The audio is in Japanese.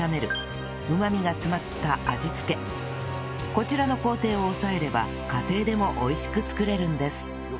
こちらの工程を押さえれば家庭でも美味しく作れるんです